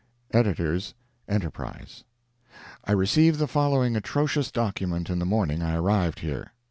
EDS. ENTERPRISE: I received the following atrocious document the morning I arrived here.